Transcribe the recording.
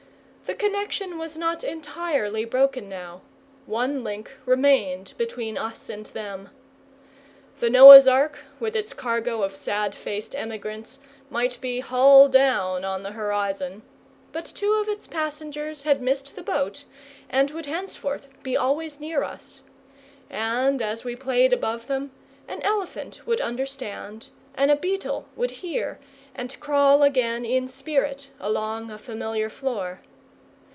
The connexion was not entirely broken now one link remained between us and them. The Noah's Ark, with its cargo of sad faced emigrants, might be hull down on the horizon, but two of its passengers had missed the boat and would henceforth be always near us; and, as we played above them, an elephant would understand, and a beetle would hear, and crawl again in spirit along a familiar floor.